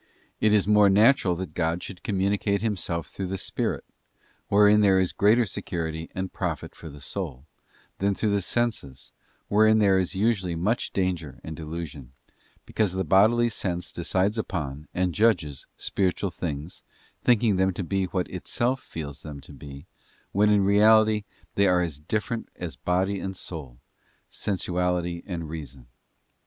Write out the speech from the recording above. It is more natural that God should communicate Himself through the spirit — wherein there is greater security and profit for the soul — than through the senses, wherein there is usually much danger and delusion, because the bodily sense decides upon, and judges, spiritual things, thinking them to be what itself feels them to be, when in reality they are as different as body and soul, sensuality and reason.